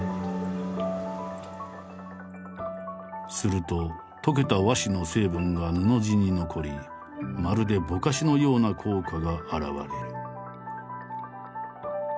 すると溶けた和紙の成分が布地に残りまるでぼかしのような効果が表れる。